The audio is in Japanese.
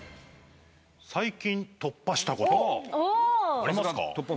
最近突破したこと、あります